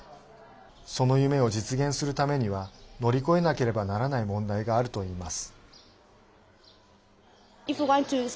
その夢を実現するためには乗り越えなければならない問題があるといいます。